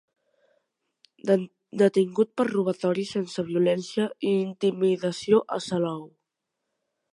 Detingut per robatori sense violència i intimidació a Salou.